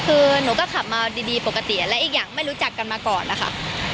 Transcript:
คือหนูก็ขับมาดีปกติและอีกอย่างไม่รู้จักกันมาก่อนนะคะ